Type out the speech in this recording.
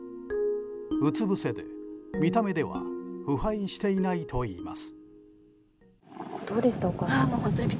うつ伏せで見た目では腐敗していないといいます。